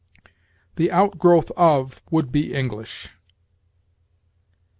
The outgrowth of would be English.